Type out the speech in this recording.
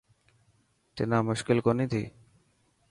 تنا مشڪل ڪوني ٿي.